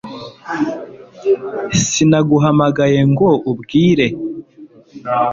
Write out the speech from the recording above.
sinaguhamagaye ngo ubwire